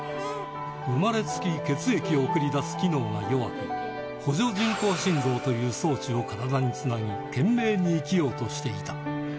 生まれつき血液を送り出す機能が弱く、補助人工心臓という装置を体につなぎ、懸命に生きようとしていた。